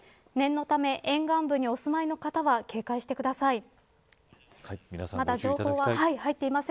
念のため沿岸部にお住まいの方は警戒してください。